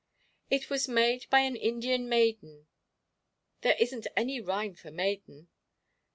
"It was made by an Indian maiden there isn't any rhyme for 'maiden.'"